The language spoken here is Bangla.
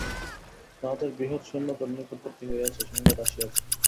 তাঁহাদের বৃহৎ সৈন্যদল নিকটবর্তী হইয়াছে, সংবাদ আসিয়াছে।